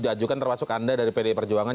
diajukan termasuk anda dari pdi perjuangan